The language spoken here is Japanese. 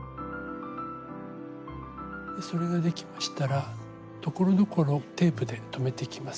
それができましたらところどころテープで留めていきます。